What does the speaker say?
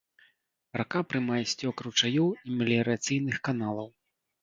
Рака прымае сцёк ручаёў і меліярацыйных каналаў.